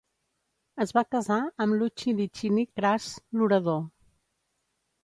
Es va casar amb Luci Licini Cras l'orador.